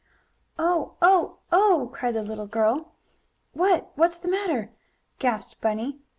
"Oh! Oh! Oh!" cried the little girl. "What what's the matter?" gasped Bunny.